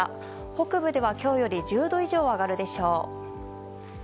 北部では今日より１０度以上上がるでしょう。